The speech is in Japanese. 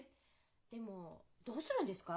・でもどうするんですか？